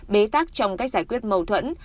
bế tác trong cách giải quyết mâu thuẫn